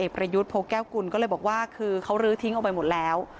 ประยุทธ์โพแก้วกุลก็เลยบอกว่าคือเขาลื้อทิ้งเอาไปหมดแล้ว